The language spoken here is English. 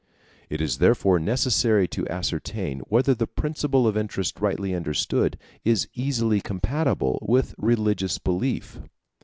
It is therefore necessary to ascertain whether the principle of interest rightly understood is easily compatible with religious belief.